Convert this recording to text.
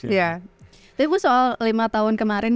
iya tapi bu soal lima tahun kemarin